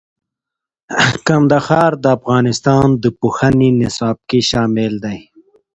کندهار د افغانستان د پوهنې نصاب کې شامل دي.